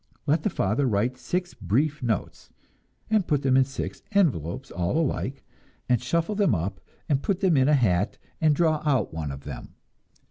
Let the father write six brief notes, and put them in six envelopes all alike, and shuffle them up and put them in a hat and draw out one of them.